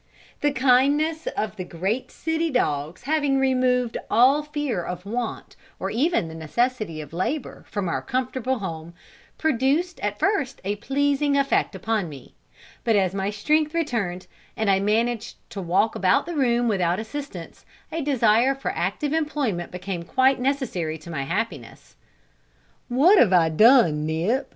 The kindness of the great city dogs having removed all fear of want, or even the necessity of labour, from our comfortable home, produced at first a pleasing effect upon me; but as my strength returned, and I managed to walk about the room without assistance, a desire for active employment became quite necessary to my happiness. "What have I done, Nip?"